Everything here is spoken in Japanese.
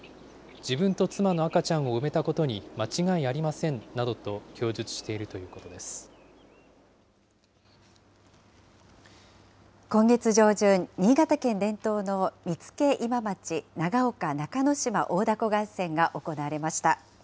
自分と妻の赤ちゃんを埋めたことに間違いありませんなどと供述し今月上旬、新潟県伝統の見附今町・長岡中之島大凧合戦が行われました。